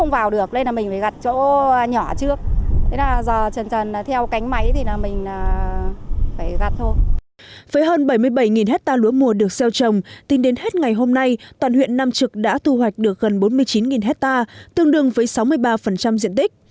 với hơn bảy mươi bảy hectare lúa mùa được gieo trồng tính đến hết ngày hôm nay toàn huyện nam trực đã thu hoạch được gần bốn mươi chín hectare tương đương với sáu mươi ba diện tích